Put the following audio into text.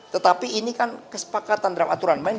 tetapi ini kan kesepakatan dan aturan lain